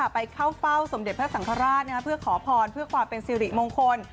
ไปเข้าเฝ้าสมเด็จพระสังฆราชเพื่อขอพรเพื่อความเป็นสิริมงคล